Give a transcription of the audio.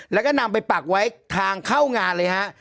แล้วก็นำไปปักไว้ทางเข้างานเลยฮะ